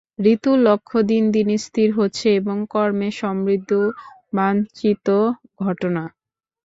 ঋতুর লক্ষ্য দিন দিন স্থির হচ্ছে এবং কর্মে সমৃদ্ধিও বাঞ্ছিত ঘটনা।